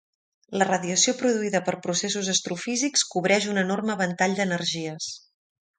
La radiació produïda per processos astrofísics cobreix un enorme ventall d’energies.